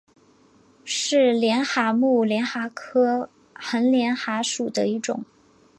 是帘蛤目帘蛤科横帘蛤属的一种。